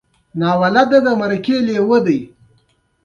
ای زما د زړه سره او د سترګو توره.